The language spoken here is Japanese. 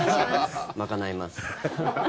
賄います。